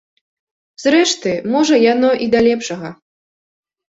Зрэшты, можа яно і да лепшага.